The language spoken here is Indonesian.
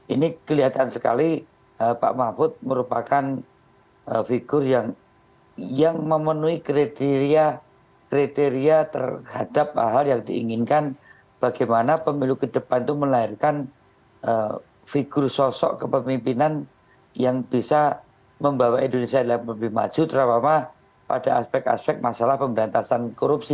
ini kelihatan sekali pak mahfud merupakan figur yang memenuhi kriteria terhadap hal hal yang diinginkan bagaimana pemilu ke depan itu melahirkan figur sosok kepemimpinan yang bisa membawa indonesia menjadi lebih maju terutama pada aspek aspek masalah pemberantasan korupsi